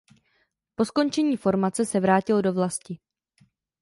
Po skončení formace se vrátil do vlasti.